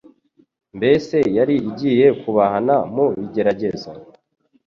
Mbese yari agiye kubahana mu bigeragezo?